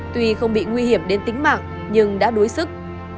tuy không bị nguy hiểm đến tính mạng nhưng đã đuối sức